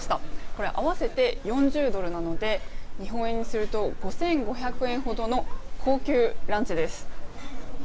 これ、合わせて４０ドルなので日本円にすると５５００円ほどの高級ランチです。